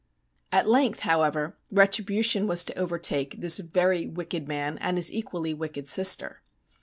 At length, however, retribution was to overtake this very wicked man and his equally wicked sister.